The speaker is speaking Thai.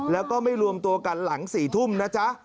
แล้วก็ไม่รวมตัวกันหลัง๔ทุ่มนะจ๊ะ